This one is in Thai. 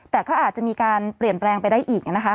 แต่ก็อาจจะมีการเปลี่ยนแปลงไปได้อีกนะคะ